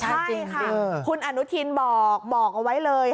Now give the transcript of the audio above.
ใช่ค่ะคุณอนุทินบอกบอกเอาไว้เลย